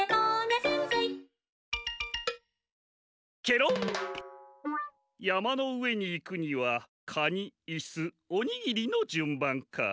けろんやまのうえにいくにはカニイスおにぎりのじゅんばんか。